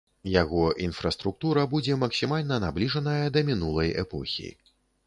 Яго інфраструктура будзе максімальна набліжаная да мінулай эпохі.